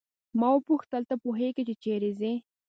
ما وپوښتل ته پوهیږې چې چیرې ځې.